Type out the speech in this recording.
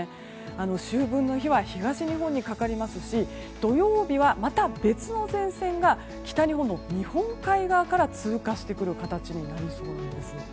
秋分の日は東日本にかかりますし土曜日はまた別の前線が北日本の日本海側から通過してくる形になりそうです。